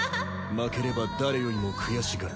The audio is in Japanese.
負ければ誰よりも悔しがる。